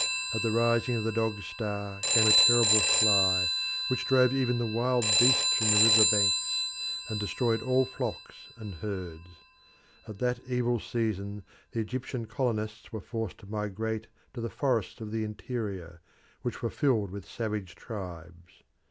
At the rising of the dog star came a terrible fly which drove even the wild beasts from the river banks and destroyed all flocks and herds. At that evil season the Egyptian colonists were forced to migrate to the forests of the interior, which were filled with savage tribes.